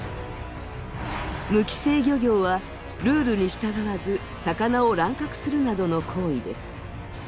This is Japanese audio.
無規制漁業はルールに従わず、魚を乱獲するなどの行為です。